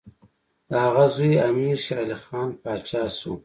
د هغه زوی امیر شېرعلي خان پاچا شو.